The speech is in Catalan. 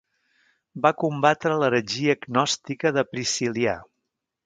Va combatre l'heretgia gnòstica de Priscil·lià.